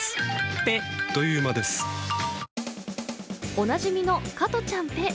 おなじみの加トちゃんペッ！